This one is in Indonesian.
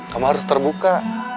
kamu harus terbuka